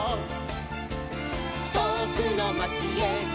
「とおくのまちへゴー！